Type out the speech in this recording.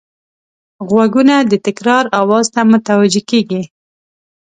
غوږونه د تکرار آواز ته متوجه کېږي